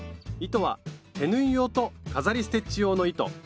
糸は手縫い用と飾りステッチ用の糸